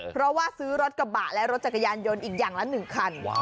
เพราะว่าซื้อรถกระบะและรถจักรยานยนต์อีกอย่างละ๑คัน